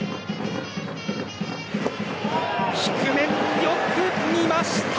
低め、よく見ました。